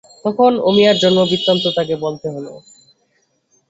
তখন অমিয়ার জন্মবৃত্তান্ত তাকে বলতে হল।